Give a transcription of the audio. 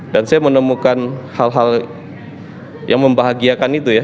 dan saya menemukan hal hal yang membahagiakan itu ya